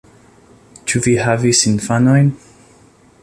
Ĉu vi havis infanojn?